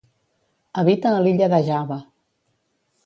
Habita a l'illa de Java.